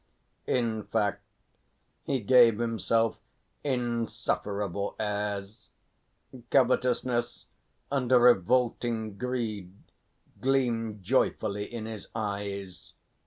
In fact he gave himself insufferable airs. Covetousness and a revolting greed gleamed joyfully in his eyes.